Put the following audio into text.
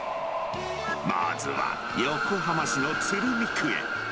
まずは横浜市の鶴見区へ。